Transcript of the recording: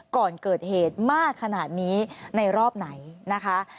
ก่อนเกิดเหตุมากขนาดนี้ในรอบไหนนะคะ